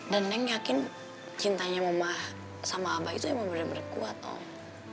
dan neng yakin cintanya mama sama abah itu emang bener bener kuat om